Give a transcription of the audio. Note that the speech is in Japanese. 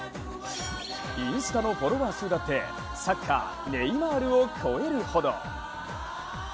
インスタのフォロワー数だってサッカー・ネイマールを超えるほど。